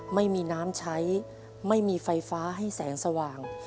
ไม่มีน้ำใช้ไม่มีไฟฟ้าให้แสงสว่าง